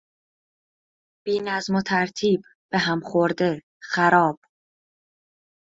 بینظم و ترتیب، به هم خورده، خراب